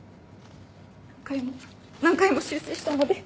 何回も何回も修正したので。